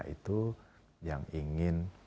itu yang ingin